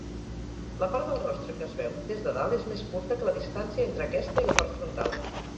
La part del rostre que es veu des de dalt és més curta que la distància entre aquesta i la part frontal.